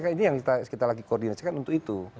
ini yang kita lagi koordinasikan untuk itu